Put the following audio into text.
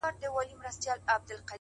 اخلاق د انسان د باور ژبه ده؛